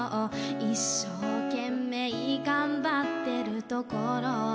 「一生懸命頑張ってるところ」